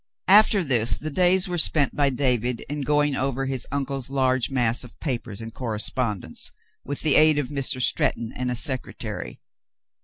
After this the days were spent by David in going over his uncle's large mass of papers and correspondence, with the aid of Mr. Stretton and a secretary.